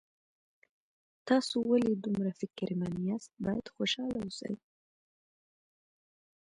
تاسو ولې دومره فکرمن یاست باید خوشحاله اوسئ